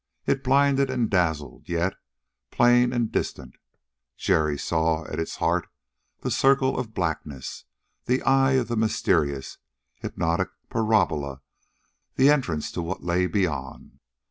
It blinded and dazzled, yet, plain and distinct, Jerry saw at its heart the circle of blackness, the eye of the mysterious, hypnotic parabola the entrance to what lay beyond.